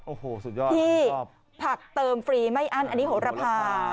โอ้โฮสุดยอดจริงจ้อบพรรดิภักดิ์เติมฟรีไม่อั้นอันนี้หวารผ่าน